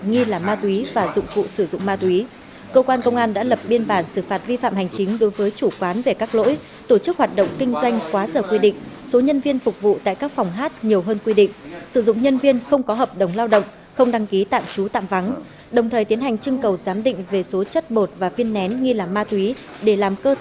hãy đăng ký kênh để ủng hộ kênh của chúng mình nhé